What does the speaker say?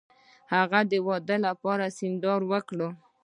هغې د واده لپاره سینګار وکړ